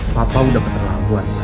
papa udah keterlaluan pa